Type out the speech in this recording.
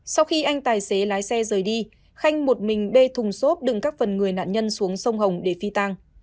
sau khi anh tài xế lái xe rời đi khanh một mình bê thùng xốp đựng các phần người nạn nhân xuống sông hồng để phi tang